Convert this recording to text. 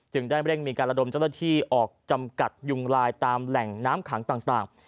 ได้เร่งมีการระดมเจ้าหน้าที่ออกจำกัดยุงลายตามแหล่งน้ำขังต่าง